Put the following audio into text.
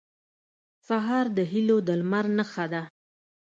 سهار د هيلو د لمر نښه ده.